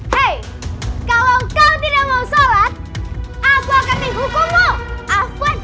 hai kalau kau tidak mau sholat aku akan tinggalkanmu